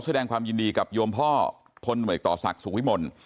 ขอแสดงความยินดีกับยวมพ่อคนเหมือนต่อศักดิ์สุขวิมล